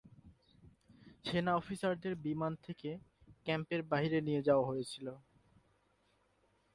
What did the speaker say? সেনা অফিসারদের বিমান থেকে ক্যাম্পের বাইরে নিয়ে যাওয়া হয়েছিল।